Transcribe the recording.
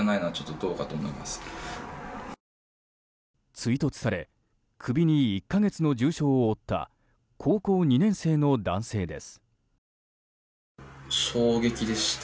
追突され首に１か月の重傷を負った高校２年生の男性です。